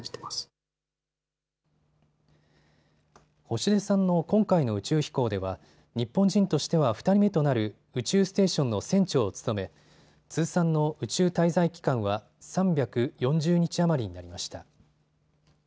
星出さんの今回の宇宙飛行では日本人としては２人目となる宇宙ステーションの船長を務め通算の宇宙滞在期間は３４０日余りになりました。